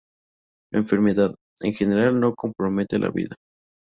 La enfermedad, en general, no compromete la vida.